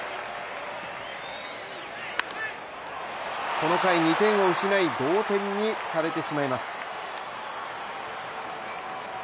この回、２点を失い同点にされてしまいます。